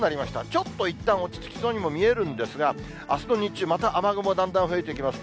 ちょっといったん落ち着きそうにも見えるんですが、あすの日中、また雨雲がだんだん増えていきます。